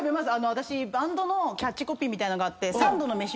私バンドのキャッチコピーみたいのがあって。